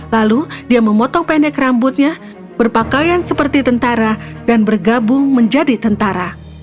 lalu dia memotong pendek rambutnya berpakaian seperti tentara dan bergabung menjadi tentara